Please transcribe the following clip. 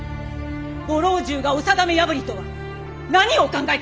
ご老中がお定め破りとは何をお考えか！